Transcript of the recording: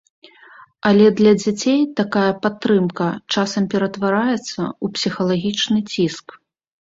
Але для дзяцей такая падтрымка часам ператвараецца ў псіхалагічны ціск.